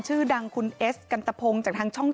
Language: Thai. ชื่อดังคุณเอสกันตะพงจากทางช่อง๓